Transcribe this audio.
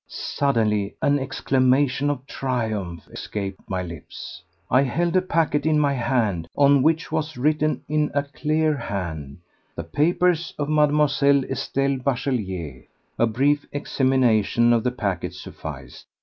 Suddenly an exclamation of triumph escaped my lips. I held a packet in my hand on which was written in a clear hand: "The papers of Mlle. Estelle Bachelier." A brief examination of the packet sufficed.